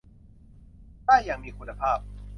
ได้อย่างมีคุณภาพ